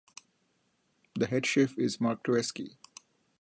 The head chef is Mark Twersky.